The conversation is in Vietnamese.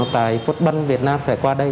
tại foodbank việt nam sẽ qua đây